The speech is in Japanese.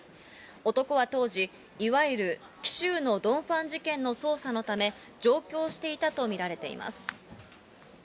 男は当時、いわゆる紀州のドン・ファン事件の捜査のため、上京していたと見られています。